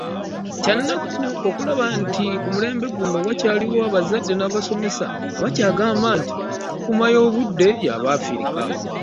Kyannaku okulaba nti ku mulembe guno wakyaliwo abazadde n’abasomesa abakyagamba nti enkuuma y’obudde ey’Abafirika.